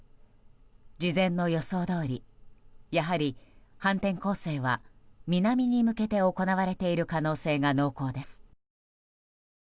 事前の予想どおりやはり反転攻勢は南に向けて行われている可能性が濃厚です。